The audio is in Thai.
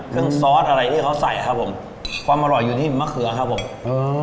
ซอสอะไรที่เขาใส่ครับผมความอร่อยอยู่ที่มะเขือครับผมอืม